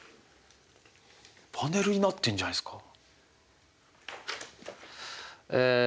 パネルになってんじゃないですか。